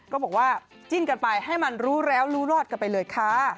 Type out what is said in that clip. ก็บอกว่าจิ้นกันไปให้มันรู้แล้วรู้รอดกันไปเลยค่ะ